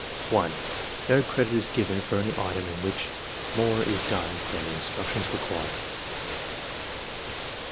1. No credit is given for any item in which more is done than the instructions require.